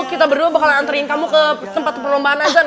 kita berdua bakalan anterin kamu ke tempat pembahasan azan